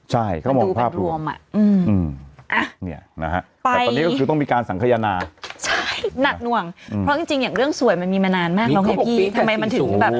ใช่เขามองภาพรวมแต่ตอนนี้ก็คือต้องมีการสังเคยณานัดหน่วงเพราะจริงอย่างเรื่องสวยมันมีมานานมากแล้วไงพี่